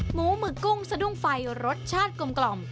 หมูหมึกกุ้งสะดุ้งไฟรสชาติกลม